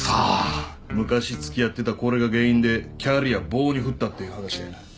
昔付き合ってたこれが原因でキャリア棒に振ったっていう話や。